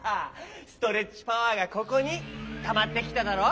ストレッチパワーがここにたまってきただろ！